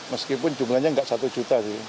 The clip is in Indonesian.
meskipun jumlahnya nggak satu juta sih